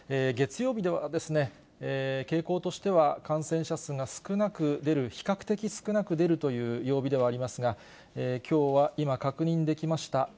月曜日では傾向としては、感染者数が少なく出る、比較的少なく出るという曜日ではありますが、きょうは今、確認できました。